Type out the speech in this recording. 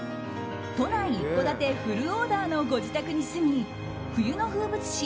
都内一戸建てフルオーダーのご自宅に住み冬の風物詩